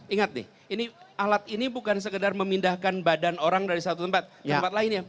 ingat nih alat ini bukan sekedar memindahkan badan orang dari satu tempat ke tempat lain ya